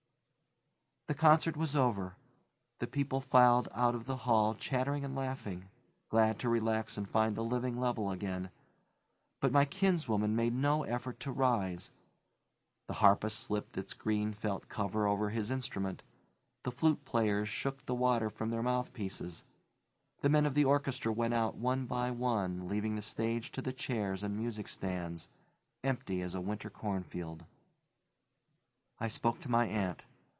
The concert was over; the people filed out of the hall chattering and laughing, glad to relax and find the living level again, but my kinswoman made no effort to rise. The harpist slipped its green felt cover over his instrument; the flute players shook the water from their mouthpieces; the men of the orchestra went out one by one, leaving the stage to the chairs and music stands, empty as a winter cornfield. I spoke to my aunt.